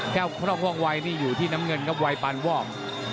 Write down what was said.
แก้วคล่องหว่างวายนี่อยู่ที่น้ำเงินคนไวปานวอม